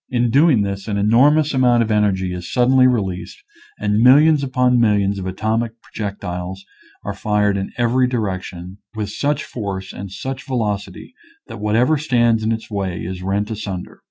In doing this an enor mous amount of energy is suddenly released and millions upon millions of atomic pro jectiles are fired in every direction with such force and such velocity that whatever stands in its way is rent asunder.